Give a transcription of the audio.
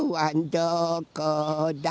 どこだ？